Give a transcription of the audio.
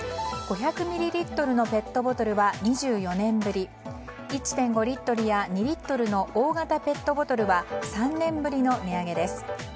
５００ミリリットルのペットボトルは２４年ぶり１．５リットルや２リットルの大型ペットボトルは３年ぶりの値上げです。